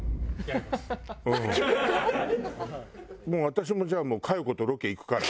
私もじゃあもう佳代子とロケ行くから。